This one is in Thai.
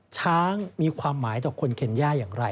ช้างมีความหมายต่อคนเคนย่าอย่างไร